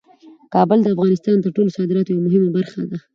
کابل د افغانستان د ټولو صادراتو یوه مهمه برخه ده.